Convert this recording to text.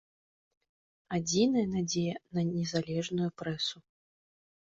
Адзіная надзея на незалежную прэсу.